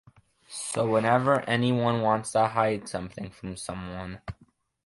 So whenever anyone wants to hide something from someone